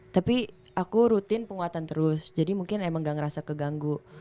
tapi aku rutin penguatan terus jadi mungkin emang gak ngerasa keganggu